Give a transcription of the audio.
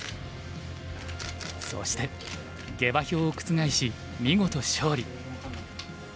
そして下馬評を覆し見事勝利。